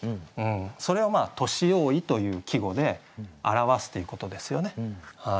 それを「年用意」という季語で表すということですよね。